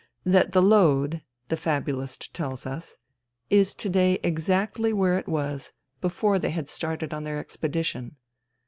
— that the load, the fabulist tells us, is to day exactly where it was before they had started on their expedition.